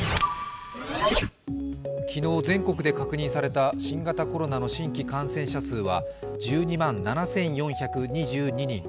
昨日、全国で確認された新型コロナの新規感染者数は１２万７４２２人。